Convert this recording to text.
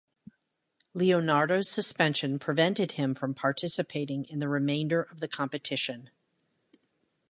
Leonardo's suspension prevented him from participating in the remainder of the competition.